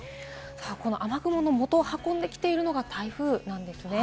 雨雲のもとを運んできているのが台風なんですね。